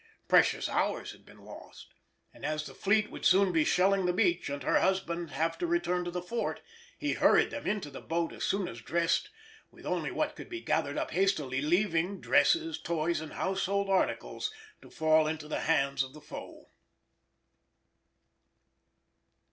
Precious hours had been lost, and as the fleet would soon be shelling the beach and her husband have to return to the fort, he hurried them into the boat as soon as dressed, with only what could be gathered up hastily, leaving dresses, toys, and household articles to fall into the hands of the foe.